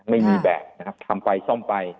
ไม่มีแบบทำไปซ่อมไป